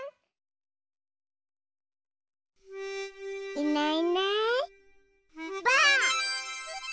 いないいないばあっ！